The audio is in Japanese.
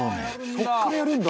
「そこからやるんだ！」